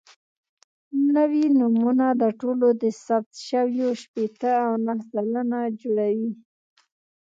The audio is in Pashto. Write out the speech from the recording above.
نوي نومونه د ټولو ثبت شویو شپېته او نهه سلنه جوړوي.